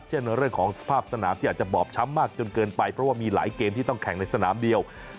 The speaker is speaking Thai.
เรื่องของสภาพสนามที่อาจจะบอบช้ำมากจนเกินไปเพราะว่ามีหลายเกมที่ต้องแข่งในสนามเดียว